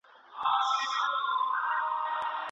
د لاس لیکنه د روښانتیا تر ټولو پیاوړي وسله ده.